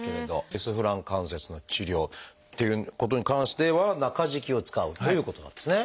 リスフラン関節の治療っていうことに関しては中敷きを使うということなんですね。